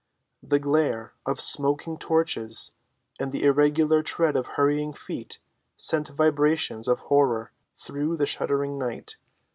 The glare of smoking torches and the irregular tread of hurrying feet sent vibrations of horror through the shuddering night.